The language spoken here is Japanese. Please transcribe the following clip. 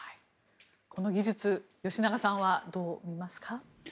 この技術吉永さんはどう見ますか？